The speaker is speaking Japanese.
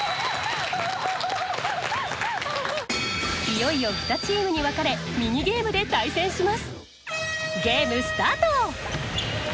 いよいよ２チームに分かれミニゲームで対戦します。